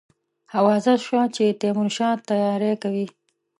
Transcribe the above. آوازه سوه چې تیمورشاه تیاری کوي.